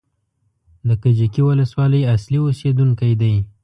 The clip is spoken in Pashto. د کجکي ولسوالۍ اصلي اوسېدونکی دی.